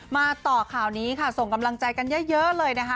มาต่อข่าวนี้ค่ะส่งกำลังใจกันเยอะเลยนะคะ